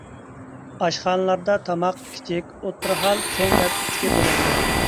ئاشخانىلاردا تاماق كىچىك، ئوتتۇرا ھال، چوڭ دەپ ئۈچكە بۆلۈنىدۇ.